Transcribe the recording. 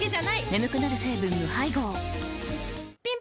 眠くなる成分無配合ぴん